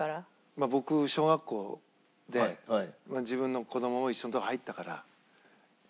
まあ僕小学校で自分の子供も一緒のとこに入ったから。